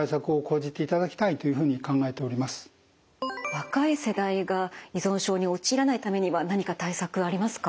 若い世代が依存症に陥らないためには何か対策ありますか？